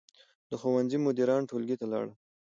د ښوونځي مدیر ټولګي ته لاړ.